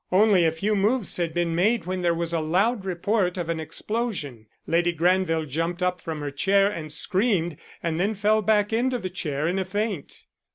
Only a few moves had been made when there was a loud report of an explosion. Lady Granville jumped up from her chair and screamed and then fell back into the chair in a faint.